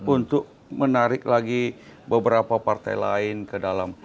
untuk menarik lagi beberapa partai lain ke dalam